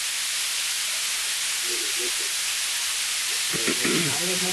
wowote kwamba shehena ya silaha haramu iliokamatwa wiki mbili zilizopita nchini humo